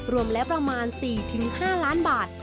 รวมแล้วประมาณ๔๕ล้านบาท